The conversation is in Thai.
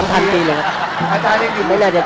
๓๐๐๐ปีเลยครับ